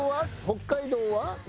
「北海道は？」。